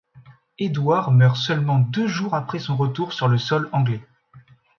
Édouard meurt seulement deux jours après son retour sur le sol anglais.